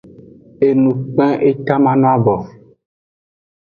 Enu kpen eta mano abo.